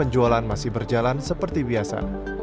penjualan masih berjalan seperti biasa